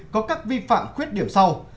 có các vi phạm khuyết điểm sau